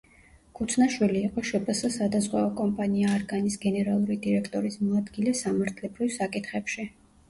ქუცნაშვილი იყო შპს სადაზღვევო კომპანია „არგანის“ გენერალური დირექტორის მოადგილე სამართლებრივ საკითხებში.